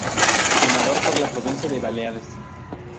Senador por la provincia de Baleares.